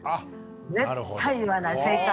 絶対言わない正解を。